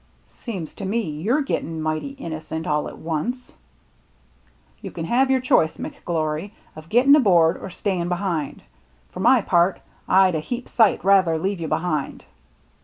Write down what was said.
" Seems to me you're gettin' mighty innocent all to once." "You can have your choice, McGlory, of getting aboard or staying behind. For my part, I'd a heap sight rather leave you behind."